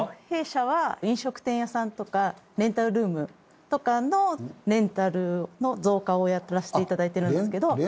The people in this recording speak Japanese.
弊社は飲食店屋さんとかレンタルルームとかのレンタルの造花をやらせて頂いてるんですけど。